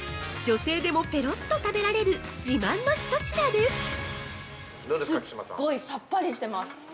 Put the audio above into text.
女性でもペロっと食べられる自慢の一品です！